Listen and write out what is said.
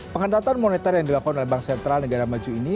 pengendaratan moneter yang dilakukan oleh bank sentral negara maju ini